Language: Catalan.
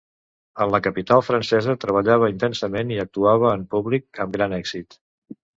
En la capital francesa treballava intensament i actuava en públic amb gran èxit.